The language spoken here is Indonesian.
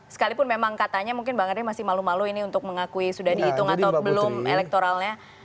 sekalipun memang katanya mungkin bang andre masih malu malu ini untuk mengakui sudah dihitung atau belum elektoralnya